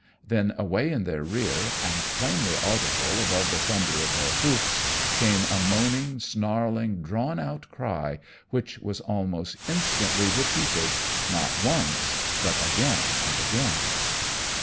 Then, away in their rear, and plainly audible above the thunder of their hoofs, came a moaning, snarling, drawn out cry, which was almost instantly repeated, not once, but again and again.